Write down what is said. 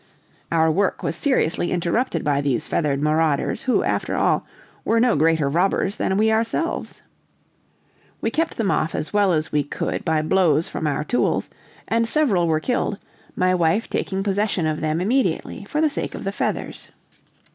Our work was seriously interrupted by these feathered marauders, who, after all, were no greater robbers than we ourselves. We kept them off as well as we could by blows from our tools, and several were killed, my wife taking possession of them immediately for the sake of the feathers.